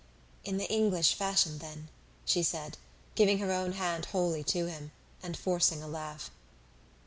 "In the English fashion, then," she said, giving her own hand wholly to him, and forcing a laugh.